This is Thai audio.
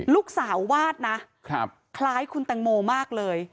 ลูกสาววาดนะคล้ายคุณแตงโมมากเลย